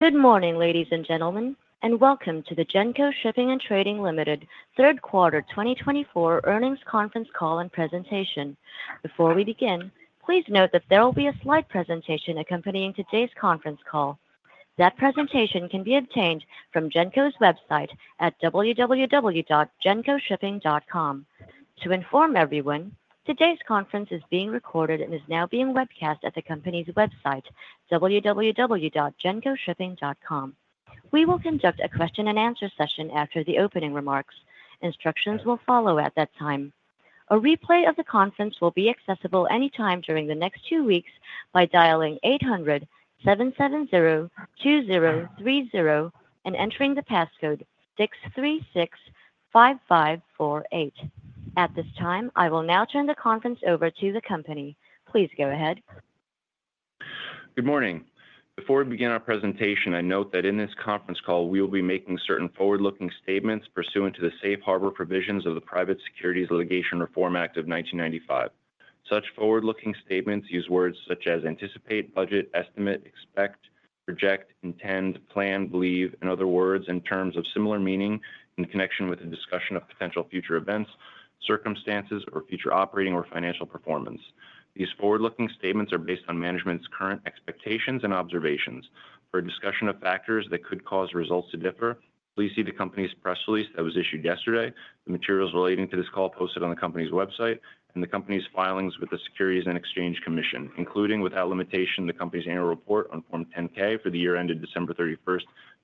Good morning, ladies and gentlemen, and welcome to the Genco Shipping & Trading Limited third quarter 2024 earnings conference call and presentation. Before we begin, please note that there will be a slide presentation accompanying today's conference call. That presentation can be obtained from Genco's website at www.gencoshipping.com. To inform everyone, today's conference is being recorded and is now being webcast at the company's website, www.gencoshipping.com. We will conduct a question-and-answer session after the opening remarks. Instructions will follow at that time. A replay of the conference will be accessible anytime during the next two weeks by dialing 800-770-2030 and entering the passcode 636-5548. At this time, I will now turn the conference over to the company. Please go ahead. Good morning. Before we begin our presentation, I note that in this conference call we will be making certain forward-looking statements pursuant to the safe harbor provisions of the Private Securities Litigation Reform Act of 1995. Such forward-looking statements use words such as anticipate, budget, estimate, expect, project, intend, plan, believe, and other words in terms of similar meaning in connection with a discussion of potential future events, circumstances, or future operating or financial performance. These forward-looking statements are based on management's current expectations and observations. For a discussion of factors that could cause results to differ, please see the company's press release that was issued yesterday, the materials relating to this call posted on the company's website, and the company's filings with the Securities and Exchange Commission, including without limitation the company's annual report on Form 10-K for the year ended December 31st,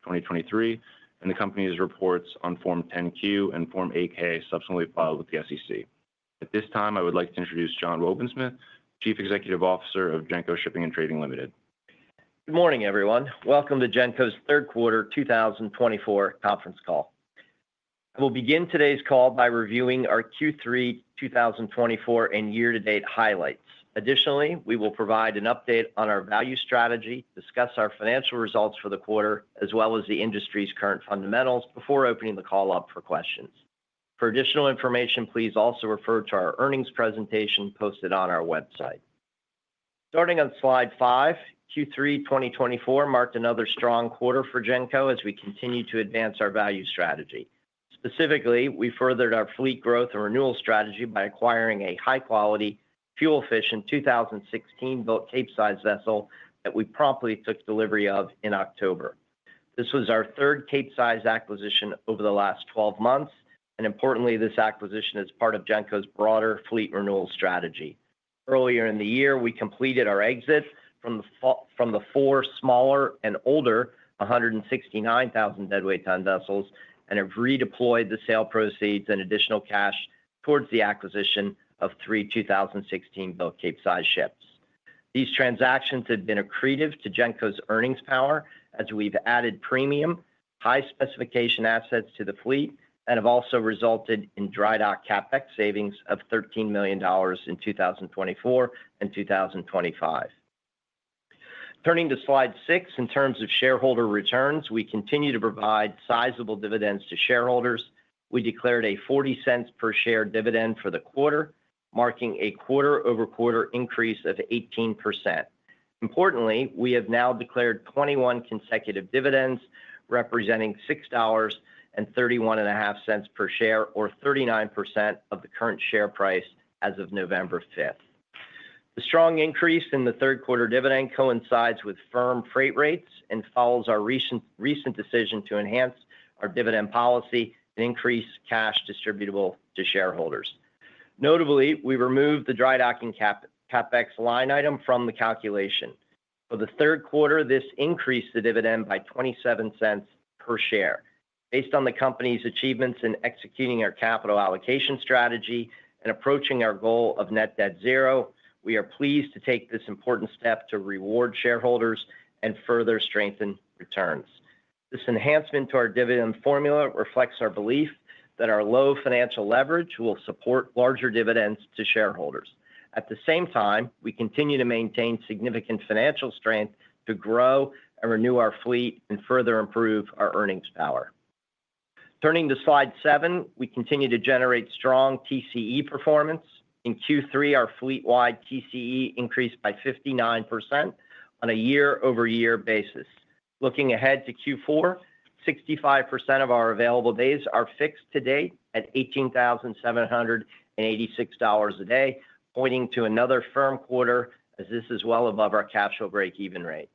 2023, and the company's reports on Form 10-Q and Form 8-K subsequently filed with the SEC. At this time, I would like to introduce John Wobensmith, Chief Executive Officer of Genco Shipping & Trading Limited. Good morning, everyone. Welcome to Genco's third quarter 2024 conference call. I will begin today's call by reviewing our Q3 2024 and year-to-date highlights. Additionally, we will provide an update on our value strategy, discuss our financial results for the quarter, as well as the industry's current fundamentals before opening the call up for questions. For additional information, please also refer to our earnings presentation posted on our website. Starting on slide five, Q3 2024 marked another strong quarter for Genco as we continue to advance our value strategy. Specifically, we furthered our fleet growth and renewal strategy by acquiring a high-quality, fuel-efficient 2016-built Capesize vessel that we promptly took delivery of in October. This was our third Capesize acquisition over the last 12 months, and importantly, this acquisition is part of Genco's broader fleet renewal strategy. Earlier in the year, we completed our exit from the four smaller and older 169,000 deadweight ton vessels and have redeployed the sale proceeds and additional cash towards the acquisition of three 2016-built Capesize ships. These transactions have been accretive to Genco's earnings power as we've added premium, high-specification assets to the fleet and have also resulted in dry dock CapEx savings of $13 million in 2024 and 2025. Turning to slide six, in terms of shareholder returns, we continue to provide sizable dividends to shareholders. We declared a $0.40 per share dividend for the quarter, marking a quarter-over-quarter increase of 18%. Importantly, we have now declared 21 consecutive dividends representing $6.31 per share, or 39% of the current share price as of November 5th. The strong increase in the third quarter dividend coincides with firm freight rates and follows our recent decision to enhance our dividend policy and increase cash distributable to shareholders. Notably, we removed the dry docking CapEx line item from the calculation. For the third quarter, this increased the dividend by $0.27 per share. Based on the company's achievements in executing our capital allocation strategy and approaching our goal of net debt zero, we are pleased to take this important step to reward shareholders and further strengthen returns. This enhancement to our dividend formula reflects our belief that our low financial leverage will support larger dividends to shareholders. At the same time, we continue to maintain significant financial strength to grow and renew our fleet and further improve our earnings power. Turning to slide seven, we continue to generate strong TCE performance. In Q3, our fleet-wide TCE increased by 59% on a year-over-year basis. Looking ahead to Q4, 65% of our available days are fixed to date at $18,786 a day, pointing to another firm quarter as this is well above our cash flow break-even rate.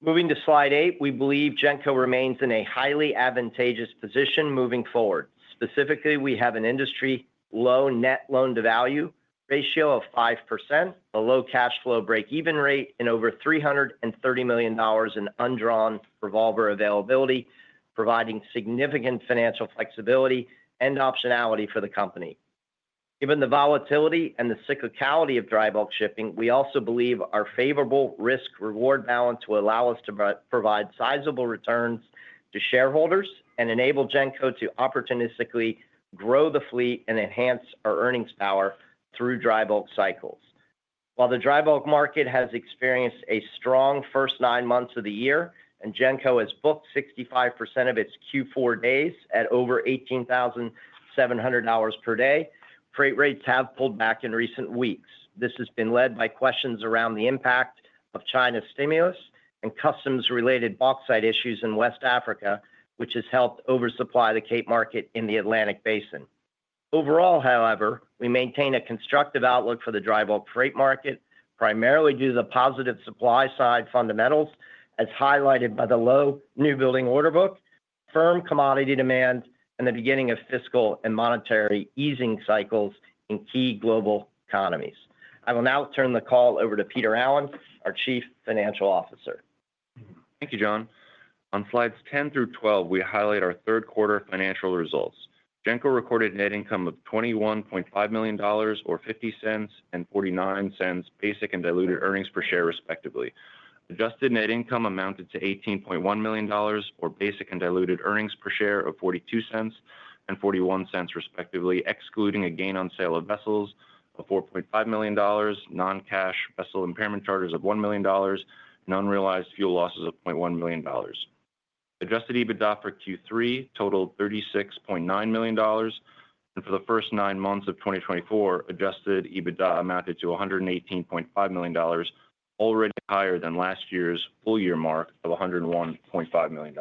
Moving to slide eight, we believe Genco remains in a highly advantageous position moving forward. Specifically, we have an industry low net loan-to-value ratio of 5%, a low cash flow break-even rate, and over $330 million in undrawn revolver availability, providing significant financial flexibility and optionality for the company. Given the volatility and the cyclicality of dry bulk shipping, we also believe our favorable risk-reward balance will allow us to provide sizable returns to shareholders and enable Genco to opportunistically grow the fleet and enhance our earnings power through dry bulk cycles. While the dry bulk market has experienced a strong first nine months of the year and Genco has booked 65% of its Q4 days at over $18,700 per day, freight rates have pulled back in recent weeks. This has been led by questions around the impact of China's stimulus and customs-related bauxite issues in West Africa, which has helped oversupply the Capesize market in the Atlantic Basin. Overall, however, we maintain a constructive outlook for the dry bulk freight market, primarily due to the positive supply-side fundamentals as highlighted by the low new building order book, firm commodity demand, and the beginning of fiscal and monetary easing cycles in key global economies. I will now turn the call over to Peter Allen, our Chief Financial Officer. Thank you, John. On slides 10 through 12, we highlight our third quarter financial results. Genco recorded net income of $21.5 million, or $0.50 and $0.49 basic and diluted earnings per share, respectively. Adjusted net income amounted to $18.1 million, or basic and diluted earnings per share of $0.42 and $0.41, respectively, excluding a gain on sale of vessels of $4.5 million, non-cash vessel impairment charges of $1 million, and unrealized fuel losses of $0.1 million. Adjusted EBITDA for Q3 totaled $36.9 million, and for the first nine months of 2024, adjusted EBITDA amounted to $118.5 million, already higher than last year's full-year mark of $101.5 million.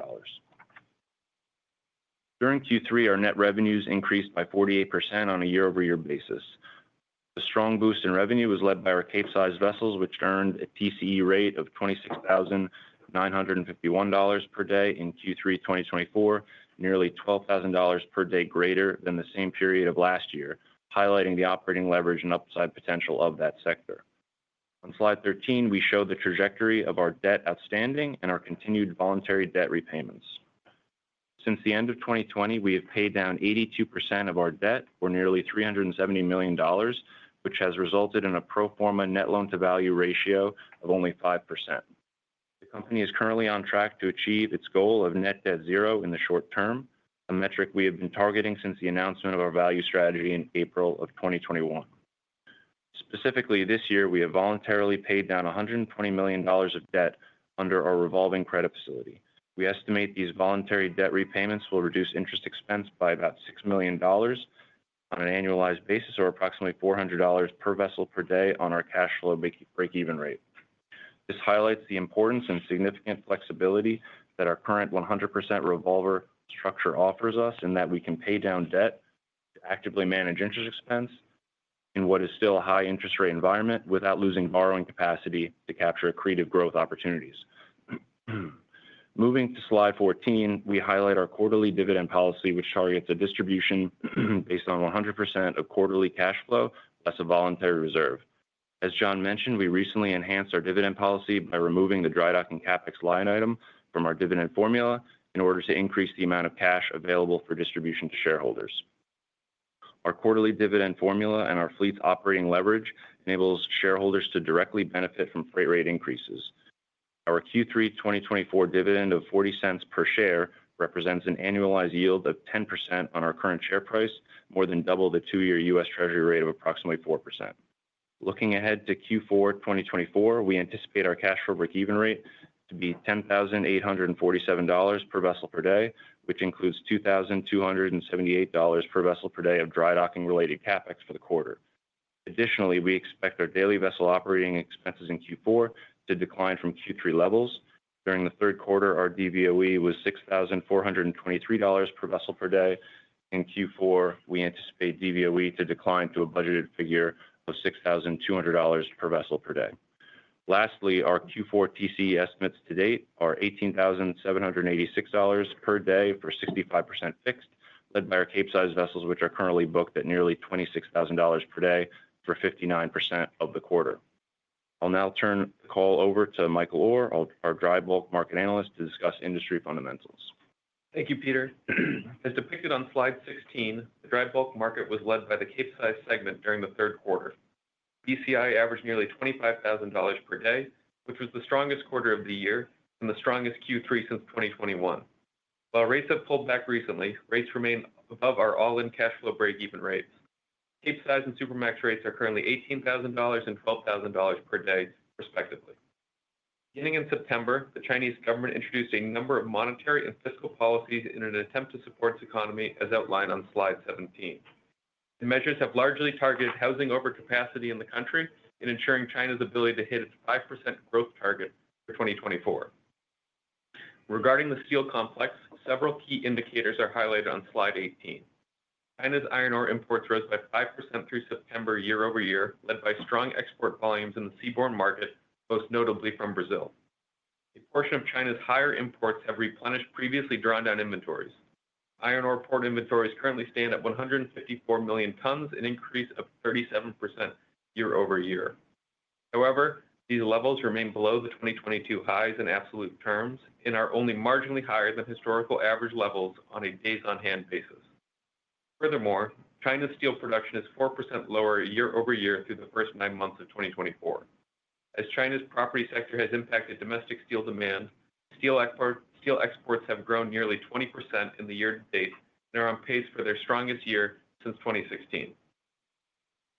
During Q3, our net revenues increased by 48% on a year-over-year basis. The strong boost in revenue was led by our Capesize vessels, which earned a TCE rate of $26,951 per day in Q3 2024, nearly $12,000 per day greater than the same period of last year, highlighting the operating leverage and upside potential of that sector. On slide 13, we show the trajectory of our debt outstanding and our continued voluntary debt repayments. Since the end of 2020, we have paid down 82% of our debt for nearly $370 million, which has resulted in a pro forma net loan-to-value ratio of only 5%. The company is currently on track to achieve its goal of net debt zero in the short term, a metric we have been targeting since the announcement of our value strategy in April of 2021. Specifically, this year, we have voluntarily paid down $120 million of debt under our revolving credit facility. We estimate these voluntary debt repayments will reduce interest expense by about $6 million on an annualized basis, or approximately $400 per vessel per day on our cash flow break-even rate. This highlights the importance and significant flexibility that our current 100% revolver structure offers us and that we can pay down debt to actively manage interest expense in what is still a high-interest rate environment without losing borrowing capacity to capture accretive growth opportunities. Moving to slide 14, we highlight our quarterly dividend policy, which targets a distribution based on 100% of quarterly cash flow as a voluntary reserve. As John mentioned, we recently enhanced our dividend policy by removing the dry docking CapEx line item from our dividend formula in order to increase the amount of cash available for distribution to shareholders. Our quarterly dividend formula and our fleet's operating leverage enables shareholders to directly benefit from freight rate increases. Our Q3 2024 dividend of $0.40 per share represents an annualized yield of 10% on our current share price, more than double the two-year U.S. Treasury rate of approximately 4%. Looking ahead to Q4 2024, we anticipate our cash flow break-even rate to be $10,847 per vessel per day, which includes $2,278 per vessel per day of dry docking-related capex for the quarter. Additionally, we expect our daily vessel operating expenses in Q4 to decline from Q3 levels. During the third quarter, our DVOE was $6,423 per vessel per day. In Q4, we anticipate DVOE to decline to a budgeted figure of $6,200 per vessel per day. Lastly, our Q4 TCE estimates to date are $18,786 per day for 65% fixed, led by our Capesize vessels, which are currently booked at nearly $26,000 per day for 59% of the quarter. I'll now turn the call over to Michael Orr, our dry bulk market analyst, to discuss industry fundamentals. Thank you, Peter. As depicted on slide 16, the dry bulk market was led by the Capesize segment during the third quarter. BCI averaged nearly $25,000 per day, which was the strongest quarter of the year and the strongest Q3 since 2021. While rates have pulled back recently, rates remain above our all-in cash flow break-even rates. Capesize and Supramax rates are currently $18,000 and $12,000 per day, respectively. Beginning in September, the Chinese government introduced a number of monetary and fiscal policies in an attempt to support its economy, as outlined on slide 17. The measures have largely targeted housing overcapacity in the country and ensuring China's ability to hit its 5% growth target for 2024. Regarding the steel complex, several key indicators are highlighted on slide 18. China's iron ore imports rose by 5% through September year-over-year, led by strong export volumes in the seaborne market, most notably from Brazil. A portion of China's higher imports have replenished previously drawn-down inventories. Iron ore port inventories currently stand at 154 million tons, an increase of 37% year-over-year. However, these levels remain below the 2022 highs in absolute terms and are only marginally higher than historical average levels on a days-on-hand basis. Furthermore, China's steel production is 4% lower year-over-year through the first nine months of 2024. As China's property sector has impacted domestic steel demand, steel exports have grown nearly 20% in the year-to-date and are on pace for their strongest year since 2016.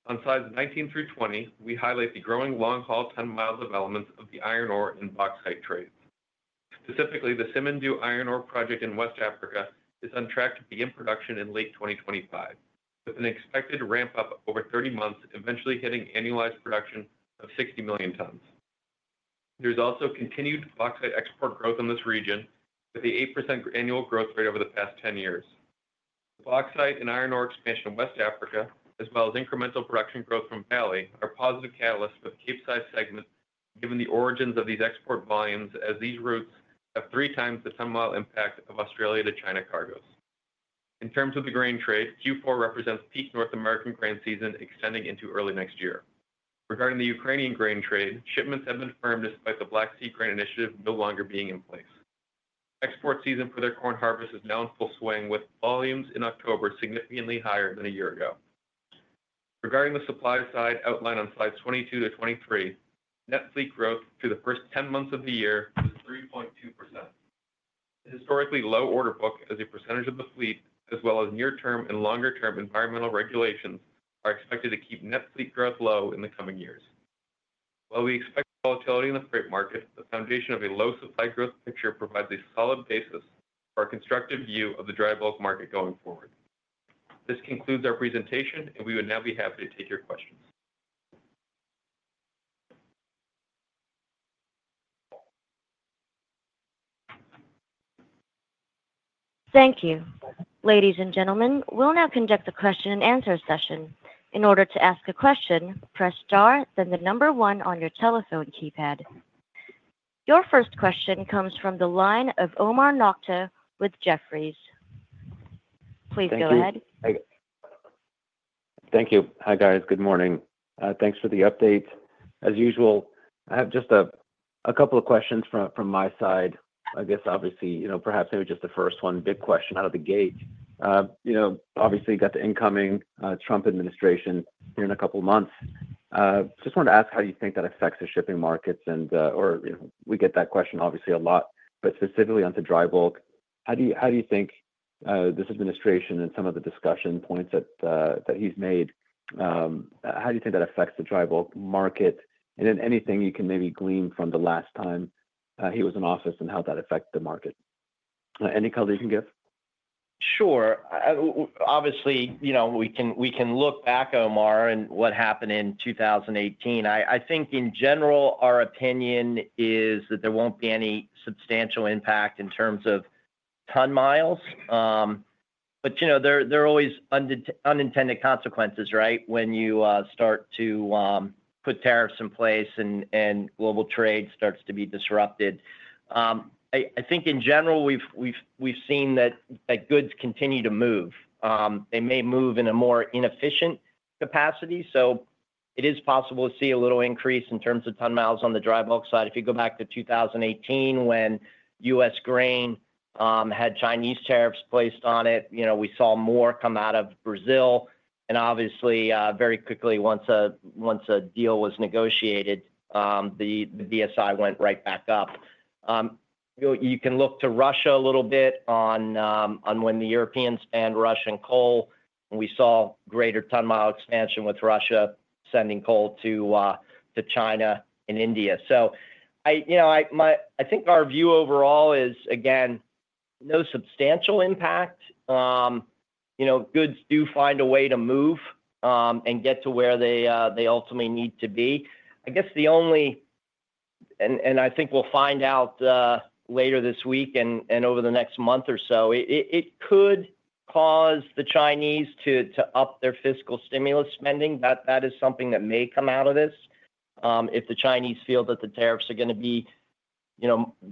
On slides 19 through 20, we highlight the growing long-haul ton-mile developments of the iron ore and bauxite trade. Specifically, the Simandou iron ore project in West Africa is on track to begin production in late 2025, with an expected ramp-up over 30 months eventually hitting annualized production of 60 million tons. There's also continued bauxite export growth in this region, with the 8% annual growth rate over the past 10 years. The bauxite and iron ore expansion in West Africa, as well as incremental production growth from Brazil, are positive catalysts for the Capesize segment, given the origins of these export volumes, as these routes have three times the ton-mile impact of Australia to China cargoes. In terms of the grain trade, Q4 represents peak North American grain season extending into early next year. Regarding the Ukrainian grain trade, shipments have been firm, despite the Black Sea Grain Initiative no longer being in place. Export season for their corn harvest is now in full swing, with volumes in October significantly higher than a year ago. Regarding the supply-side outline on slides 22 to 23, net fleet growth through the first 10 months of the year was 3.2%. The historically low order book, as a percentage of the fleet, as well as near-term and longer-term environmental regulations, are expected to keep net fleet growth low in the coming years. While we expect volatility in the freight market, the foundation of a low supply growth picture provides a solid basis for our constructive view of the dry bulk market going forward. This concludes our presentation, and we would now be happy to take your questions. Thank you. Ladies and gentlemen, we'll now conduct the question-and-answer session. In order to ask a question, press star, then the number one on your telephone keypad. Your first question comes from the line of Omar Nokta with Jefferies. Please go ahead. Thank you. Hi, guys. Good morning. Thanks for the update. As usual, I have just a couple of questions from my side. I guess, obviously, perhaps maybe just the first one, big question out of the gate. Obviously, you got the incoming Trump administration here in a couple of months. Just wanted to ask how you think that affects the shipping markets, and we get that question, obviously, a lot, but specifically on the dry bulk. How do you think this administration and some of the discussion points that he's made, how do you think that affects the dry bulk market? And then anything you can maybe glean from the last time he was in office and how that affected the market? Any color you can give? Sure. Obviously, we can look back, Omar, and what happened in 2018. I think, in general, our opinion is that there won't be any substantial impact in terms of ton-miles. But there are always unintended consequences, right, when you start to put tariffs in place and global trade starts to be disrupted. I think, in general, we've seen that goods continue to move. They may move in a more inefficient capacity. So it is possible to see a little increase in terms of ton-miles on the dry bulk side. If you go back to 2018, when U.S. grain had Chinese tariffs placed on it, we saw more come out of Brazil. And obviously, very quickly, once a deal was negotiated, the BSI went right back up. You can look to Russia a little bit on when the Europeans banned Russian coal, and we saw greater ton-mile expansion with Russia sending coal to China and India. So I think our view overall is, again, no substantial impact. Goods do find a way to move and get to where they ultimately need to be. I guess the only, and I think we'll find out later this week and over the next month or so, it could cause the Chinese to up their fiscal stimulus spending. That is something that may come out of this. If the Chinese feel that the tariffs are going to be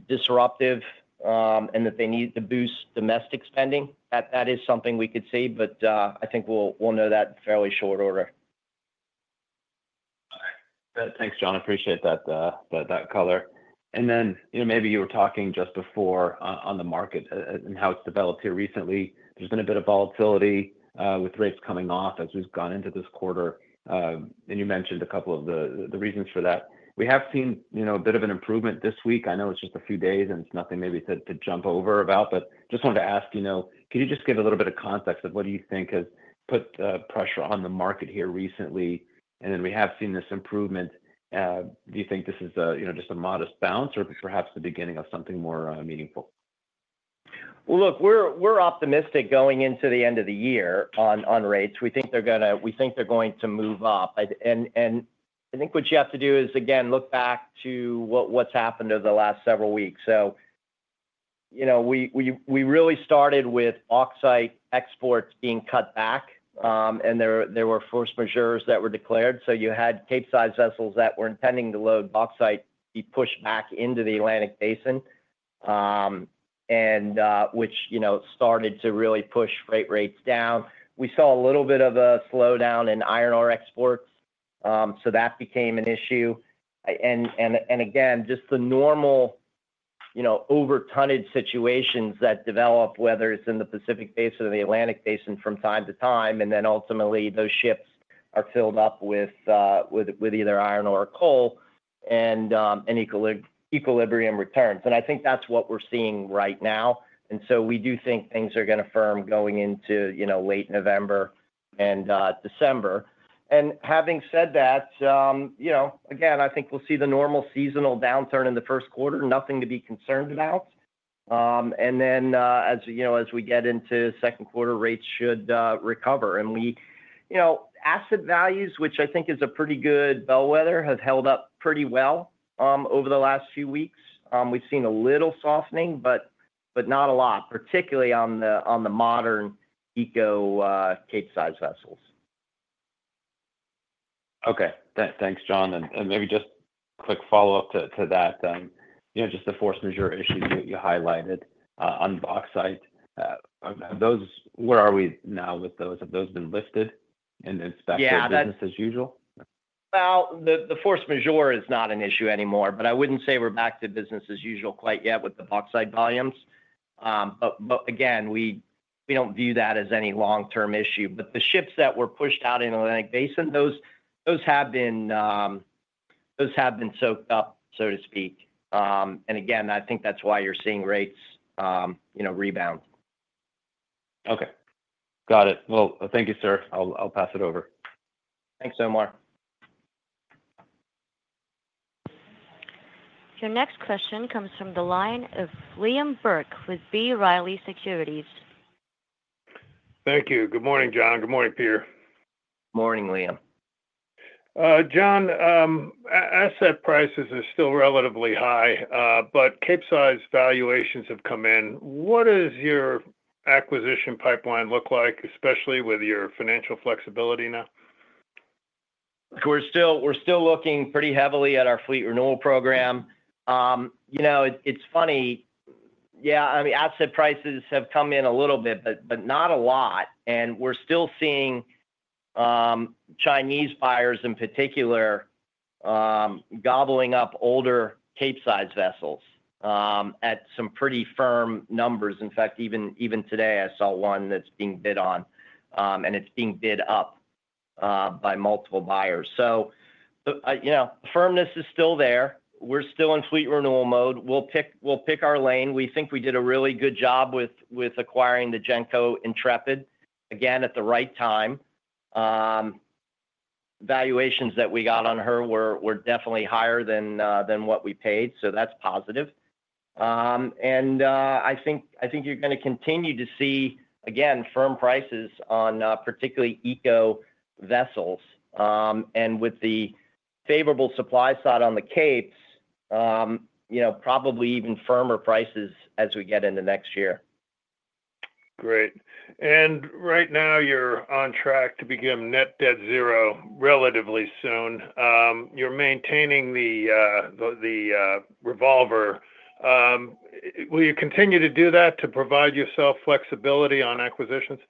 disruptive and that they need to boost domestic spending, that is something we could see. But I think we'll know that in fairly short order. Thanks, John. I appreciate that color. And then maybe you were talking just before on the market and how it's developed here. Recently, there's been a bit of volatility with rates coming off as we've gone into this quarter. And you mentioned a couple of the reasons for that. We have seen a bit of an improvement this week. I know it's just a few days, and it's nothing maybe to jump up and down about. But just wanted to ask, could you just give a little bit of context of what do you think has put pressure on the market here recently? And then we have seen this improvement. Do you think this is just a modest bounce or perhaps the beginning of something more meaningful? Well, look, we're optimistic going into the end of the year on rates. We think they're going to move up. And I think what you have to do is, again, look back to what's happened over the last several weeks. So we really started with bauxite exports being cut back, and there were force majeures that were declared. So you had Capesize vessels that were intending to load bauxite be pushed back into the Atlantic Basin, which started to really push freight rates down. We saw a little bit of a slowdown in iron ore exports. So that became an issue. And again, just the normal overtonnage situations that develop, whether it's in the Pacific Basin or the Atlantic Basin from time to time, and then ultimately those ships are filled up with either iron ore or coal and equilibrium returns. And I think that's what we're seeing right now. And so we do think things are going to firm going into late November and December. And having said that, again, I think we'll see the normal seasonal downturn in the first quarter, nothing to be concerned about. And then as we get into second quarter, rates should recover. And asset values, which I think is a pretty good bellwether, have held up pretty well over the last few weeks. We've seen a little softening, but not a lot, particularly on the modern eco-Capesize vessels. Okay. Thanks, John, and maybe just quick follow-up to that, just the force majeure issues you highlighted on bauxite. Where are we now with those? Have those been lifted and it's back to business as usual? Yeah. Well, the force majeure is not an issue anymore, but I wouldn't say we're back to business as usual quite yet with the bauxite volumes. But again, we don't view that as any long-term issue. But the ships that were pushed out in the Atlantic Basin, those have been soaked up, so to speak. And again, I think that's why you're seeing rates rebound. Okay. Got it. Well, thank you, sir. I'll pass it over. Thanks, Omar. Your next question comes from the line of Liam Burke with B. Riley Securities. Thank you. Good morning, John. Good morning, Peter. Morning, Liam. John, asset prices are still relatively high, but Capesize valuations have come in. What does your acquisition pipeline look like, especially with your financial flexibility now? We're still looking pretty heavily at our fleet renewal program. It's funny. Yeah, I mean, asset prices have come in a little bit, but not a lot. And we're still seeing Chinese buyers, in particular, gobbling up older Capesize vessels at some pretty firm numbers. In fact, even today, I saw one that's being bid on, and it's being bid up by multiple buyers. So firmness is still there. We're still in fleet renewal mode. We'll pick our lane. We think we did a really good job with acquiring the Genco Intrepid, again, at the right time. Valuations that we got on her were definitely higher than what we paid, so that's positive. And I think you're going to continue to see, again, firm prices on particularly eco vessels. And with the favorable supply side on the Capesize, probably even firmer prices as we get into next year. Great. And right now, you're on track to become net debt zero relatively soon. You're maintaining the revolver. Will you continue to do that to provide yourself flexibility on acquisitions?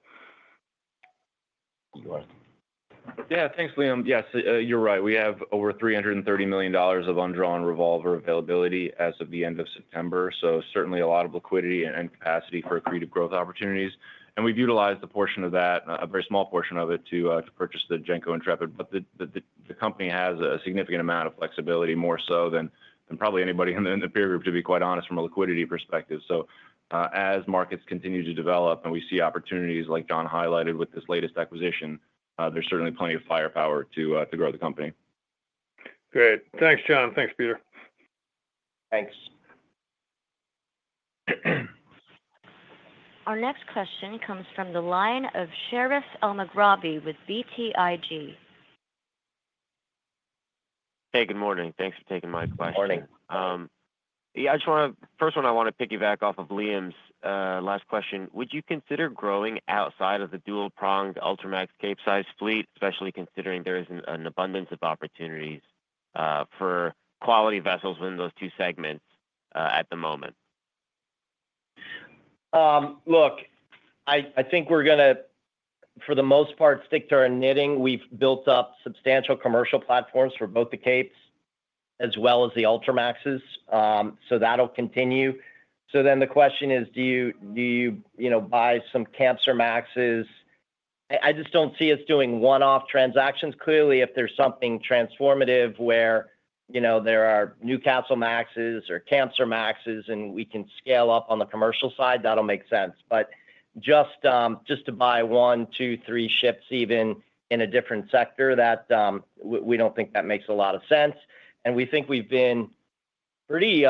Yeah. Thanks, Liam. Yes, you're right. We have over $330 million of undrawn revolver availability as of the end of September. So certainly a lot of liquidity and capacity for accretive growth opportunities. We've utilized a portion of that, a very small portion of it, to purchase the Genco Intrepid. The company has a significant amount of flexibility, more so than probably anybody in the peer group, to be quite honest, from a liquidity perspective. So as markets continue to develop and we see opportunities, like John highlighted with this latest acquisition, there's certainly plenty of firepower to grow the company. Great. Thanks, John. Thanks, Peter. Thanks. Our next question comes from the line of Sherif El-Maghrabi with BTIG. Hey, good morning. Thanks for taking my question. Good morning. Yeah. First one, I want to piggyback off of Liam's last question. Would you consider growing outside of the dual-pronged Ultramax Capesize fleet, especially considering there is an abundance of opportunities for quality vessels in those two segments at the moment? Look, I think we're going to, for the most part, stick to our knitting. We've built up substantial commercial platforms for both the Capes as well as the Ultramaxes. So that'll continue. So then the question is, do you buy some Kamsarmaxes? I just don't see us doing one-off transactions. Clearly, if there's something transformative where there are Newcastlemaxes or Kamsarmaxes and we can scale up on the commercial side, that'll make sense. But just to buy one, two, three ships even in a different sector, we don't think that makes a lot of sense. And we think we've been pretty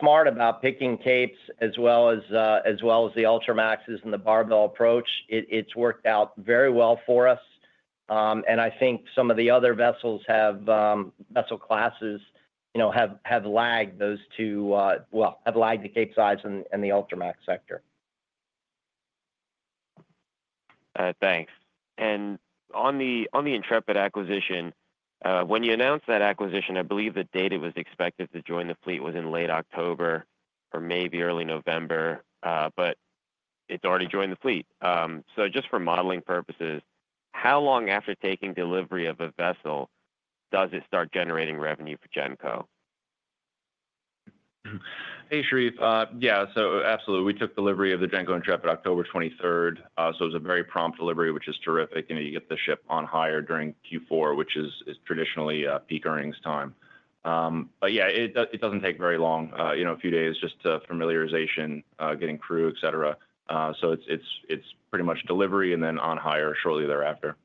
smart about picking Capes as well as the Ultramaxes and the barbell approach. It's worked out very well for us. And I think some of the other vessel classes have lagged those two, well, have lagged the Capesize and the Ultramax sector. Thanks. And on the Intrepid acquisition, when you announced that acquisition, I believe the date it was expected to join the fleet was in late October or maybe early November. But it's already joined the fleet. So just for modeling purposes, how long after taking delivery of a vessel does it start generating revenue for Genco? Hey, Sherif. Yeah. So absolutely. We took delivery of the Genco Intrepid October 23rd. So it was a very prompt delivery, which is terrific. You get the ship on hire during Q4, which is traditionally peak earnings time. But yeah, it doesn't take very long, a few days, just familiarization, getting crew, etc. So it's pretty much delivery and then on hire shortly thereafter.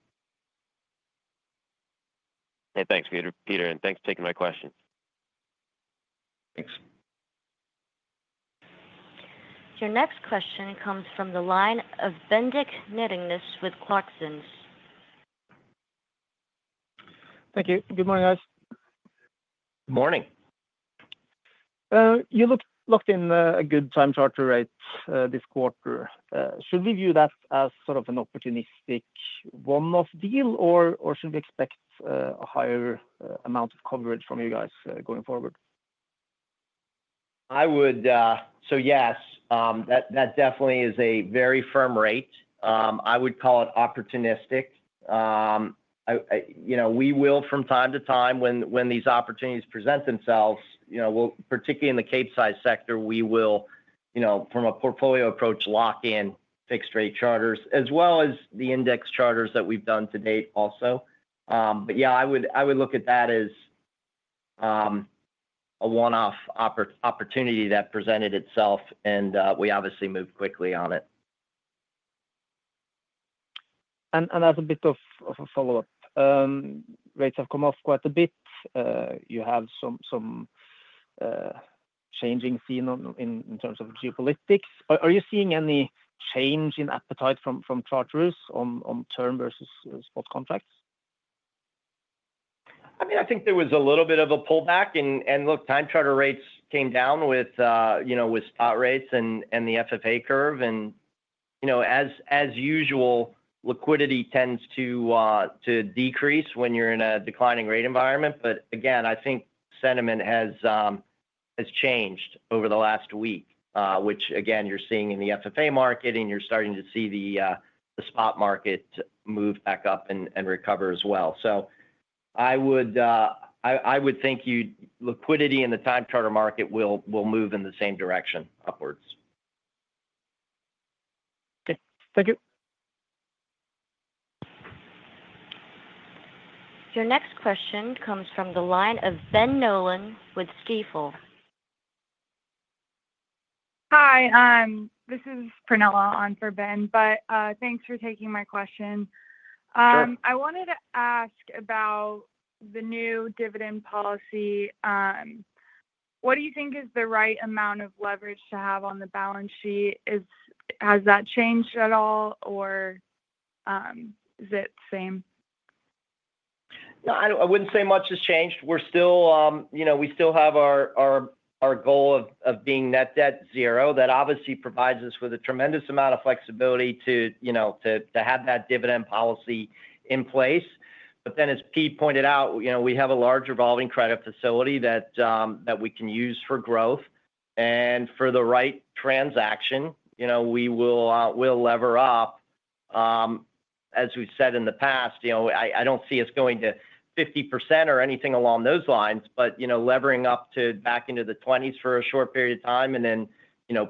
Hey, thanks, Peter. Peter, and thanks for taking my question. Thanks. Your next question comes from the line of Bendik Nyttingnes with Clarksons. Thank you. Good morning, guys. Good morning. You locked in a good time charter rate this quarter. Should we view that as sort of an opportunistic one-off deal, or should we expect a higher amount of coverage from you guys going forward? So yes, that definitely is a very firm rate. I would call it opportunistic. We will, from time to time, when these opportunities present themselves, particularly in the Capesize sector, we will, from a portfolio approach, lock in fixed-rate charters, as well as the index charters that we've done to date also. But yeah, I would look at that as a one-off opportunity that presented itself, and we obviously moved quickly on it. And as a bit of a follow-up, rates have come off quite a bit. You have some changing scene in terms of geopolitics. Are you seeing any change in appetite from charterers on term versus spot contracts? I mean, I think there was a little bit of a pullback. And look, time charter rates came down with spot rates and the FFA curve. And as usual, liquidity tends to decrease when you're in a declining rate environment. But again, I think sentiment has changed over the last week, which, again, you're seeing in the FFA market, and you're starting to see the spot market move back up and recover as well. So I would think liquidity in the time charter market will move in the same direction, upwards. Okay. Thank you. Your next question comes from the line of Ben Nolan with Stifel. Hi. This is Pranella on for Ben, but thanks for taking my question. I wanted to ask about the new dividend policy. What do you think is the right amount of leverage to have on the balance sheet? Has that changed at all, or is it the same? No, I wouldn't say much has changed. We still have our goal of being net debt zero. That obviously provides us with a tremendous amount of flexibility to have that dividend policy in place. But then, as Pete pointed out, we have a large revolving credit facility that we can use for growth. And for the right transaction, we'll lever up. As we've said in the past, I don't see us going to 50% or anything along those lines, but levering up back into the 20s for a short period of time and then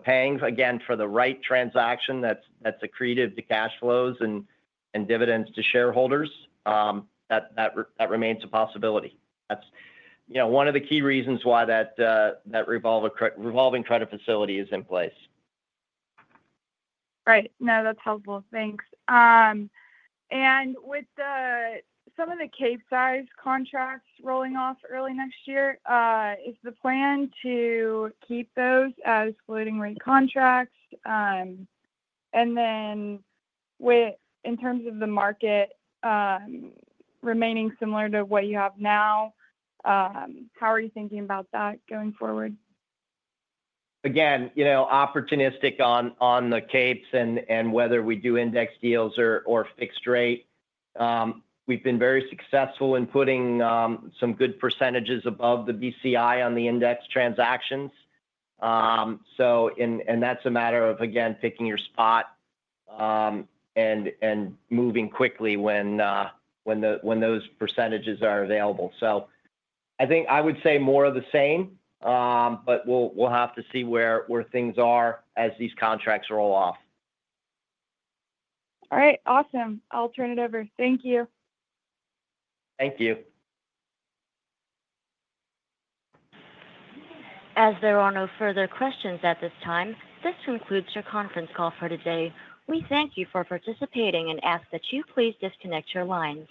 paying again for the right transaction that's accretive to cash flows and dividends to shareholders, that remains a possibility. That's one of the key reasons why that revolving credit facility is in place. Right. No, that's helpful. Thanks. And with some of the Capesize contracts rolling off early next year, is the plan to keep those as floating rate contracts? And then in terms of the market remaining similar to what you have now, how are you thinking about that going forward? Again, opportunistic on the capes and whether we do index deals or fixed rate. We've been very successful in putting some good percentages above the BCI on the index transactions, and that's a matter of, again, picking your spot and moving quickly when those percentages are available, so I think I would say more of the same, but we'll have to see where things are as these contracts roll off. All right. Awesome. I'll turn it over. Thank you. Thank you. As there are no further questions at this time, this concludes your conference call for today. We thank you for participating and ask that you please disconnect your lines.